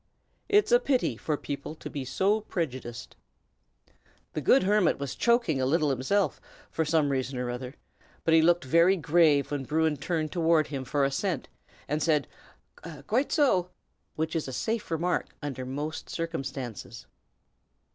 It's a pity for people to be so prejudiced." The good hermit was choking a little himself, for some reason or other, but he looked very grave when Bruin turned toward him for assent, and said, "Quite so!" which is a safe remark under most circumstances.